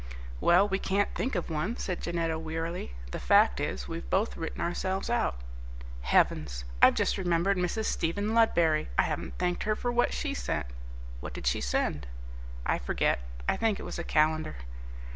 "Well, we can't think of one," said Janetta wearily; "the fact is, we've both written ourselves out. Heavens! I've just remembered Mrs. Stephen Ludberry. I haven't thanked her for what she sent." "What did she send?" "I forget; I think it was a calendar."